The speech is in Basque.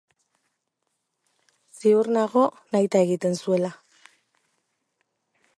Ziur nago nahita egiten zuela.